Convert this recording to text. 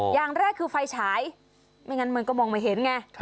อย่างแรกคือไฟฉายไม่งั้นมันก็มองไม่เห็นไง